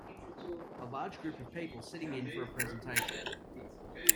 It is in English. A large group of people sitting in for a presentation.